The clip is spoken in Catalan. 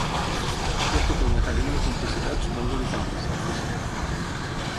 Hi ha tota una cadena de complicitats molt delicades, ha afegit.